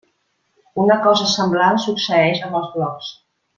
Una cosa semblant succeïx amb els blocs.